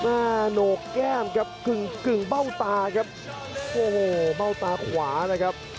โหนกแก้มครับกึ่งกึ่งเบ้าตาครับโอ้โหเบ้าตาขวานะครับ